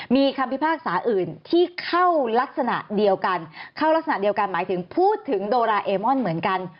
มีคำพิพากษาอื่นที่เข้ารักษณะเดียวกันเข้ารักษณะเดียวกันหมายถึงพูดถึงโดราเอมอนเหมือนกัน